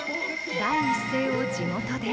第一声を地元で。